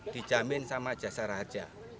dijamin sama jasara harja